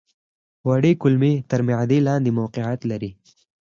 وړې کولمې تر معدې لاندې موقعیت لري.